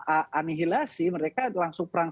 anihilasi mereka langsung perang